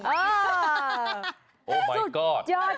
โอ้มายก็อด